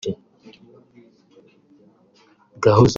Gahozo Blanche